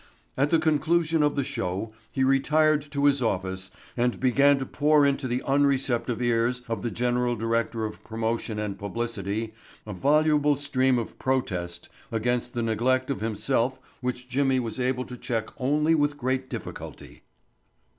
At the conclusion of the show he retired to his office and began to pour into the unreceptive ears of the general director of promotion and publicity a voluble stream of protest against the neglect of himself which Jimmy was able to check only with great difficulty.